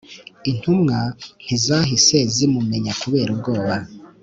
Intumwa ntizahise zimumenya kubera ubwoba